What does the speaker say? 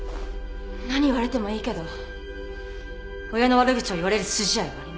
何言われてもいいけど親の悪口を言われる筋合いはありません。